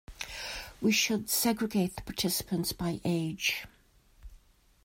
We should segregate the participants by age.